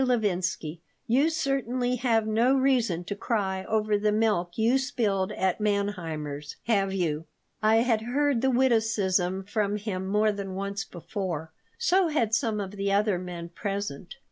Levinsky, you certainly have no reason to cry over the milk you spilled at Manheimer's, have you?" I had heard the witticism from him more than once before. So had some of the other men present.